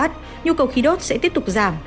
nhu cầu khí đốt sẽ tiếp tục giảm